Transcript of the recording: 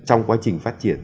trong quá trình phát triển